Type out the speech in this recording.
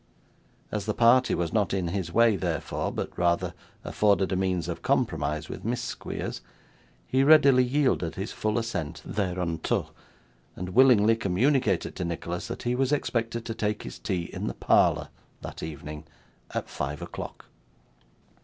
As the party was not in his way, therefore, but rather afforded a means of compromise with Miss Squeers, he readily yielded his full assent thereunto, and willingly communicated to Nicholas that he was expected to take his tea in the parlour that evening, at five o'clock.